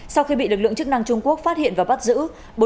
sau khi bị lực lượng chức năng trung quốc phát hiện và bắt giữ